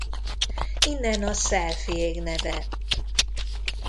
Innen a selfjég neve.